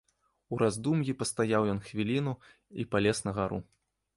У раздум'і пастаяў ён хвіліну і палез на гару.